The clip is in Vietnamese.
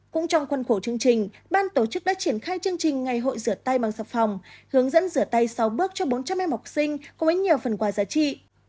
cũng trong khuôn khổ chương trình ban tổ chức đã triển khai chương trình ngày hội rửa tay bằng sạp phòng hướng dẫn rửa tay sáu bước cho bốn trăm linh em học sinh cùng với nhiều phần quà giá trị